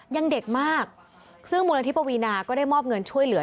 ยังเด็กมากซึ่งมูลนิธิปวีนาก็ได้มอบเงินช่วยเหลือ